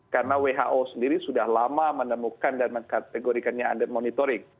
karena who sendiri sudah lama menemukan dan mengkategorikannya under monitoring